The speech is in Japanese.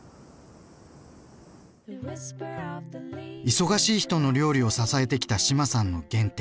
忙しい人の料理を支えてきた志麻さんの原点。